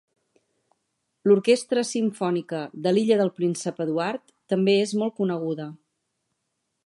L'Orquestra Simfònica de l'Illa del Príncep Eduard també és molt coneguda.